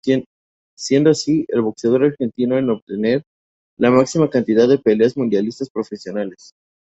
Siendo así, el boxeador argentino en obtener la máxima cantidad de peleas mundialistas profesionales.